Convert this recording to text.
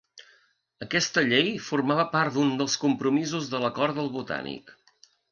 Aquesta llei formava part d'un dels compromisos de l'Acord del Botànic.